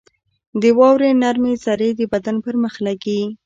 • د واورې نرمې ذرې د بدن پر مخ لګي.